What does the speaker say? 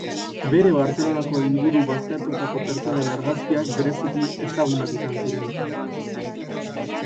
Bere Bartzelonako inguru baztertutako pertsonen argazkiak bereziki ezagunak izan ziren.